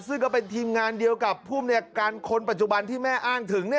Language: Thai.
ซึ่งก็เป็นทีมงานเดียวกับภูมิในการคนปัจจุบันที่แม่อ้างถึง